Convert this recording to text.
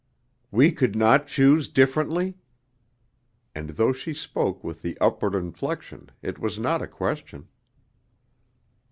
"We could not choose differently?" And though she spoke with the upward inflection it was not a question.